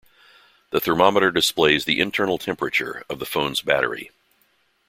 The thermometer displays the internal temperature of the phone's battery.